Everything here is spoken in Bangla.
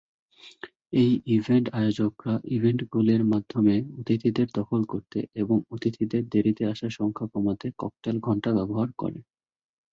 এই ইভেন্ট আয়োজকরা ইভেন্টগুলির মাধ্যমে অতিথিদের দখল করতে এবং অতিথিদের দেরিতে আসার সংখ্যা কমাতে ককটেল ঘণ্টা ব্যবহার করে।